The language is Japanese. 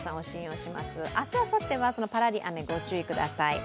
明日あさってはパラリ雨ご注意ください。